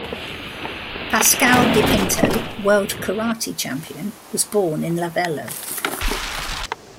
Pasquale Di Pinto, World Karate Champion, was born in Lavello.